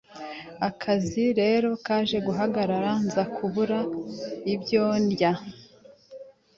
Akazi rero kaje guhagarara nza kubura ibyo ndya